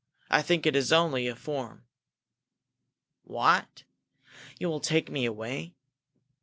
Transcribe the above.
I think it is only a form." "What? You will take me away?"